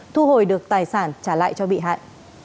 thu hồi được tài sản trả lại cho bị hại